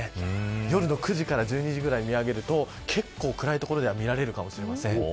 夜の９時から１２時ぐらいに見上げると結構暗い所では見られるかもしれません。